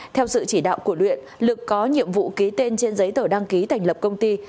theo sự chỉ đạo của luyện lực có nhiệm vụ ký tên trên giấy tờ đăng ký thành lập công ty